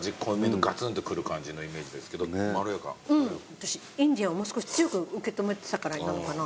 私インディアンをもう少し強く受け止めてたからなのかな。